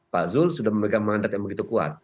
pak zulkifli hasan sudah memegang mandat yang begitu kuat